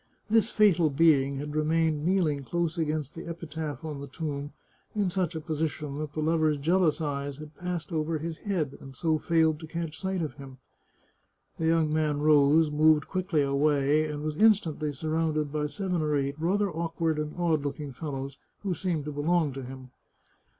This fatal being had remained kneeling close against the epitaph on the tomb in such a position that the lover's jealous eyes had passed over his head, and so failed to catch sight of him. The young man rose, moved quickly away, and was instantly surrounded by seven or eight rather awkward and odd looking fellows, who seemed to belong to him.